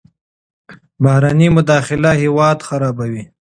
بهرنۍ مداخلې هیواد خرابوي.